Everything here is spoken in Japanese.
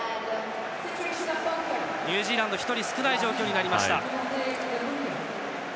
ニュージーランドは１人少ない状況になりました。